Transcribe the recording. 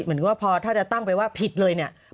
เหมือนกับว่าพอถ้าจะตั้งไปว่าผิดเลยเนี่ย